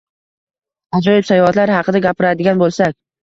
— Ajoyib! Sayohatlar haqida gapiradigan boʻlsak.